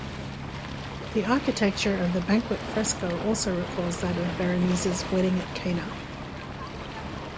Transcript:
The architecture of the "Banquet" fresco also recalls that of Veronese's "Wedding at Cana".